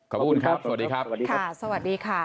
ขอบคุณครับสวัสดีครับ